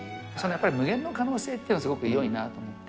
やっぱり無限の可能性っていうのは、すごいよいなと思って。